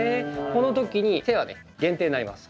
この時に手は限定になります。